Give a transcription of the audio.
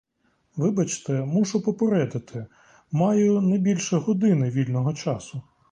Вибачте, мушу попередити: маю не більше години вільного часу.